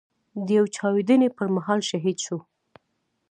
د يوې چاودنې پر مهال شهيد شو.